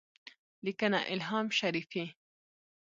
لیکنه: الهام شریفی